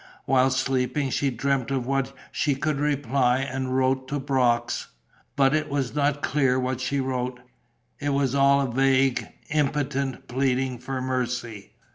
While sleeping she dreamt of what she could reply and wrote to Brox, but it was not clear what she wrote: it was all a vague, impotent pleading for mercy.